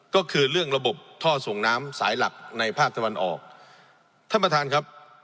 ก็คือเรื่องระบบท่อส่งน้ำสายหลักในภาคตะวันออกท่านประธานครับ